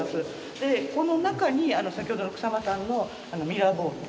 でこの中に先ほどの草間さんのミラーボールを。